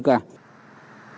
các tổ tự quản